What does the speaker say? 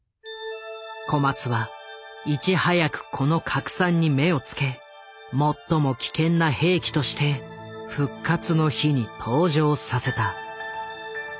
小松はいち早くこの核酸に目を付け最も危険な兵器として「復活の日」に登場させた。